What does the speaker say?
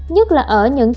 nhất là ở những tỉnh